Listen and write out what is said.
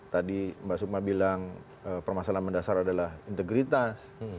tadi mbak sukma bilang permasalahan mendasar adalah integritas